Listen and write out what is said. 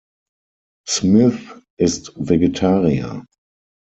Smith ist Vegetarier.